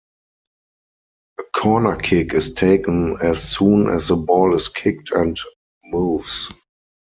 A corner kick is taken as soon as the ball is kicked and moves.